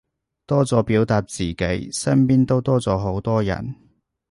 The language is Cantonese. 多咗表達自己，身邊都多咗好多人